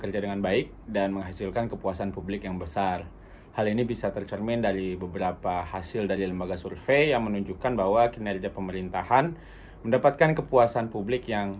jangan lupa like share dan subscribe ya